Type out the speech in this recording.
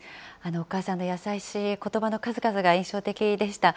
お母さんの優しいことばの数々が印象的でした。